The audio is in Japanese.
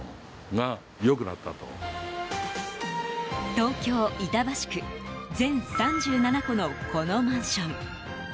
東京・板橋区全３７戸のこのマンション。